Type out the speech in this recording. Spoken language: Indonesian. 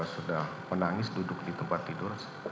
sudah menangis duduk di tempat tidur